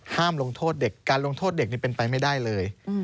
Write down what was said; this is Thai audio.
ลงโทษเด็กการลงโทษเด็กนี่เป็นไปไม่ได้เลย